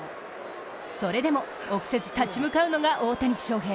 それでも、臆せず立ち向かうのが大谷翔平。